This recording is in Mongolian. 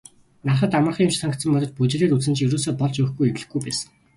Hарахад амархан юм шиг санагдсан боловч бүжиглээд үзсэн чинь ерөөсөө болж өгөхгүй эвлэхгүй байсан.